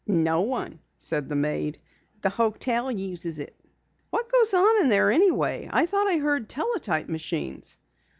"No one," said the maid. "The hotel uses it." "What goes on in there anyway? I thought I heard teletype machines."